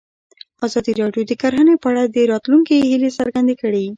ازادي راډیو د کرهنه په اړه د راتلونکي هیلې څرګندې کړې.